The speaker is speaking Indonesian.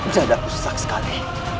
jadaku susah sekali